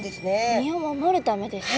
身を守るためですか？